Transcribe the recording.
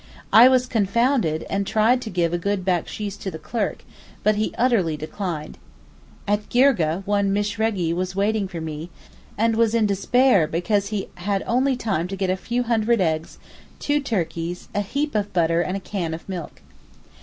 I was confounded, and tried to give a good baksheesh to the clerk, but he utterly declined. At Girgeh one Mishrehgi was waiting for me, and was in despair because he had only time to get a few hundred eggs, two turkeys, a heap of butter and a can of milk.